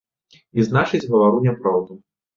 І значыць гавару няпраўду.